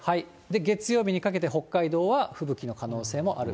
月曜日にかけて北海道は吹雪の可能性もある。